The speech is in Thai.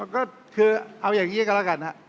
ก็คือเอาอย่างนี้กันแล้วกัน